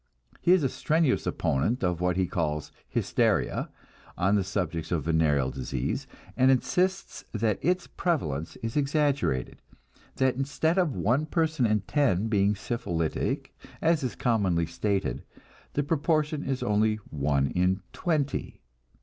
He is a strenuous opponent of what he calls "hysteria" on the subject of venereal disease, and insists that its prevalence is exaggerated; that instead of one person in ten being syphilitic, as is commonly stated, the proportion is only one in twenty.